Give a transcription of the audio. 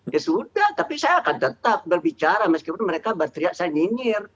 ya sudah tapi saya akan tetap berbicara meskipun mereka berteriak saya nyinyir